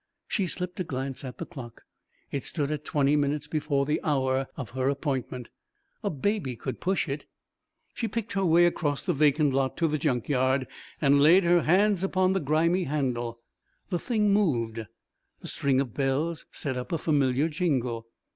She slipped a glance at the clock. It stood at twenty minutes before the hour of her appointment. "A baby could push it...." She picked her way across the vacant lot to the junk cart and laid her hand upon the grimy handle. The thing moved. The strings of bells set up a familiar jingle.